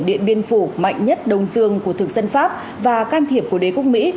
điện biên phủ mạnh nhất đông dương của thực dân pháp và can thiệp của đế quốc mỹ